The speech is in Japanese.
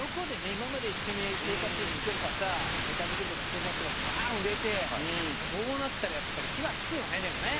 今まで一緒に生活とかさネタ作りとかしてた人がバーン売れてこうなったらやっぱり火は付くよねでもね。